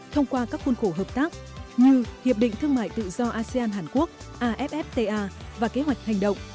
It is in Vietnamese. thông qua các khuôn khổ hợp tác như hiệp định thương mại tự do asean hàn quốc affta và kế hoạch hành động